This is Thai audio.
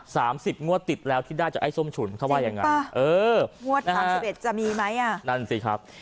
สามสิบงวดติดแล้วที่ได้จากไอ้ส้มฉุนเค้าว่ายังไง